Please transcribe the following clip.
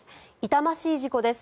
痛ましい事故です。